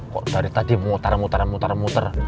kok dari tadi muter muter muter